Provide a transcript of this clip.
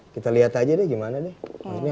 kita lihat aja deh gimana deh